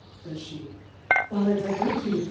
y^^'j/;^, while it diverts me. with.